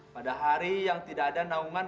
pada hari yang tidak ada naungan